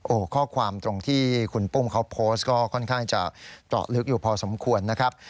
โอ้โหข้อความตรงที่คุณปุ้มเขาโพสต์ก็ค่อนข้างจะเจาะลึกอยู่พอสมควรนะครับ